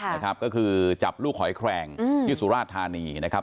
นะครับก็คือจับลูกหอยแครงที่สุราชธานีนะครับ